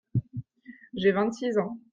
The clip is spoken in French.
J’ai vingt-six ans.